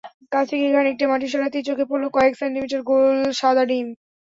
কাছে গিয়ে খানিকটা মাটি সরাতেই চোখে পড়ল কয়েক সেন্টিমিটারের গোল সাদা ডিম।